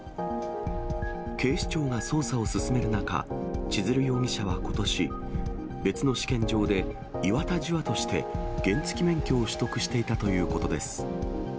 警視庁が捜査を進める中、千鶴容疑者はことし、別の試験場で岩田樹亞として原付免許を取得していたということです。